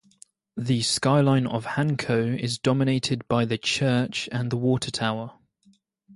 The skyline of Hanko is dominated by the church and the water tower.